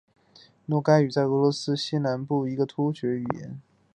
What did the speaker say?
诺盖语是一个俄罗斯西南部的突厥语言。